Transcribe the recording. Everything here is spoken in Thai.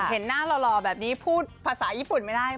เห็นหน้าหล่อแบบนี้พูดภาษาญี่ปุ่นไม่ได้